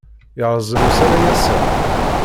Yerẓem usalay ass-a?